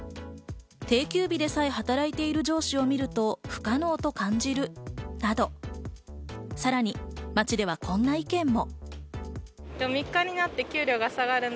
定休日でさえ働いている上司を見ると不可能と感じるなどさらに街ではこんな意見も。